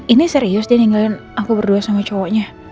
ini serius dia ninggalin aku berdua sama cowoknya